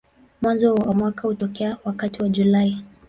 Mwanzo wa mwaka hutokea wakati wa Julai.